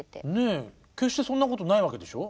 決してそんなことないわけでしょ？